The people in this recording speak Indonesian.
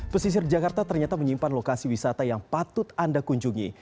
pesisir jakarta ternyata menyimpan lokasi wisata yang patut anda kunjungi